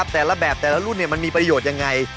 แต่ละแบบแต่ละรุ่นมันมีประโยชน์ยังไง